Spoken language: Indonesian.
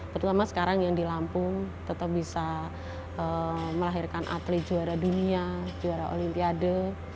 terutama sekarang yang di lampung tetap bisa melahirkan atlet juara dunia juara olimpiade